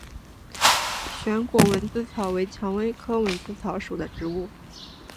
旋果蚊子草为蔷薇科蚊子草属的植物。